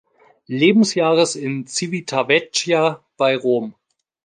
Lebensjahres in Civitavecchia bei Rom.